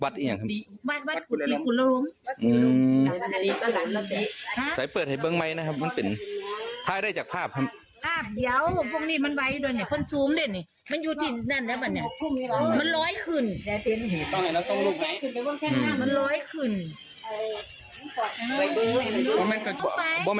ต้องเห็นต้องลุบ